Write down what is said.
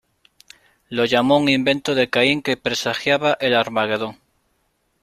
Lo llamó un invento de Caín que presagiaba el Armagedón.